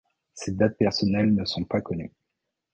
Ses dates personnelle ne sont pas connues.